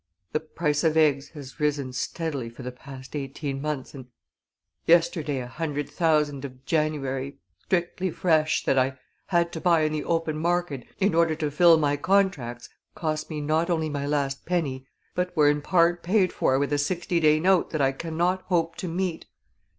"The price of eggs has risen steadily for the past eighteen months, and yesterday a hundred thousand of January, strictly fresh, that I had to buy in the open market in order to fill my contracts, cost me not only my last penny, but were in part paid for with a sixty day note that I cannot hope to meet.